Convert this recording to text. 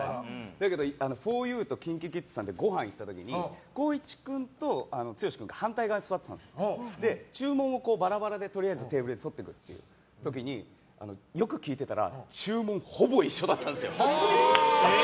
だけどふぉゆとＫｉｎＫｉＫｉｄｓさんでご飯に行った時に光一君と剛君が反対側に座ってて注文をバラバラでテーブルで取っていくという時によく聞いていたら注文がほぼ一緒だったんですよ。